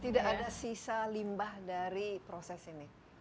tidak ada sisa limbah dari proses ini